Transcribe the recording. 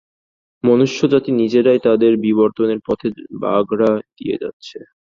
মনুষ্যজাতি নিজেরাই তাদের বিবর্তনের পথে বাগড়া দিয়ে যাচ্ছে!